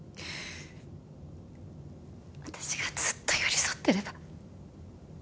私がずっと寄り添っていれば。